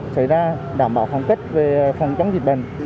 xảy ra đảm bảo khoảng cách về phòng chống dịch bệnh